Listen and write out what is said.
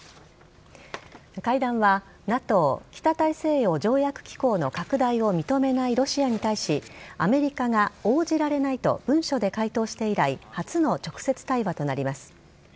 会談はＮＡＴＯ・北大西洋条約機構の拡大を認めないロシアに対し、アメリカが応じられないと文書で回答して以来、初の直接対話となります。